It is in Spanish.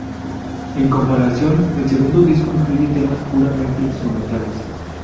En comparación, el segundo disco incluye temas puramente instrumentales.